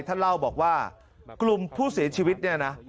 ท่านเล่าบอกว่ากลุ่มผู้เสียชีวิตเนี่ยนะ